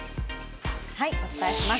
はい、お伝えします。